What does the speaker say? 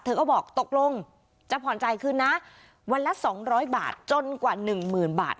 เธอก็บอกตกลงจะผ่อนใจคืนนะวันละสองร้อยบาทจนกว่าหนึ่งหมื่นบาท